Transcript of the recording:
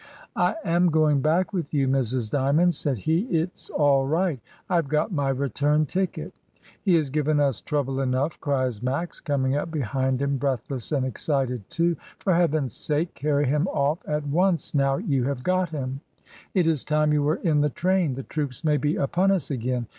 "I am going back with you, Mrs. D3anond," said he; "it's all right IVe got my return ticket." "He has given us trouble enough!" cries Max, coming up behind him breathless and excited too. "For heaven's sake carry him off at once now you have got him. It is time you were in the train. The troops may be upon us again.